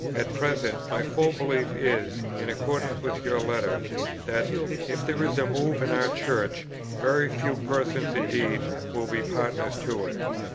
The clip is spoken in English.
"At present, my full belief is, in accordance with your letter, that, if there is a move in our Church, very few persons indeed will be partners to it.